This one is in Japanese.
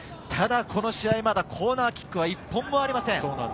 ただこの試合、まだコーナーキックは１本もありません。